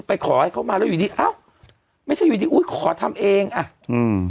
ไปขอให้เขามาแล้วอยู่ดีอ้าวไม่ใช่อยู่ดีอุ้ยขอทำเองอ่ะอืม